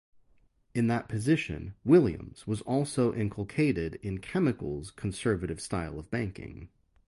In that position, Williams was also inculcated in Chemical's conservative style of banking.